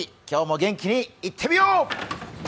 今日も元気にいってみよう！